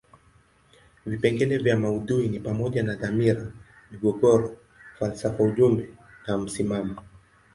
Vipengele vya maudhui ni pamoja na dhamira, migogoro, falsafa ujumbe na msimamo.